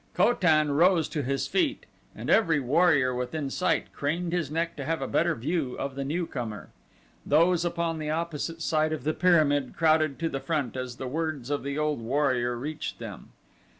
Ko tan rose to his feet and every warrior within sight craned his neck to have a better view of the newcomer. Those upon the opposite side of the pyramid crowded to the front as the words of the old warrior reached them.